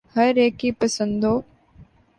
ہر ایک کی پسند و